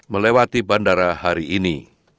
melewati bandara hari ini